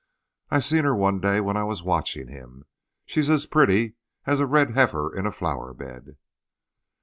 I seen her one day when I was watching him. She's as pretty as a red heifer in a flower bed."